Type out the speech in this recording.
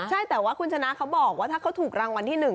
ใช่แต่ว่าคุณชนะเขาบอกว่าถ้าเขาถูกรางวัลที่๑